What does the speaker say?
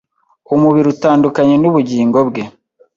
umubiri utandukanye nubugingo bwe